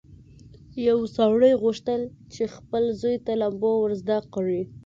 یو سړي غوښتل چې خپل زوی ته لامبو ور زده کړي.